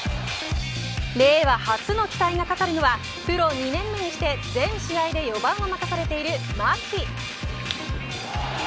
令和初の期待がかかるのはプロ２年目にして全試合で４番を任されている牧。